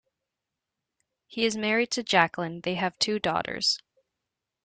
He is married to Jacquelyn; they have two daughters.